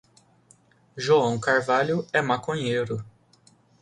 João Carvalho é maconheiro